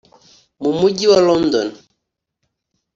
mu mujyi wa london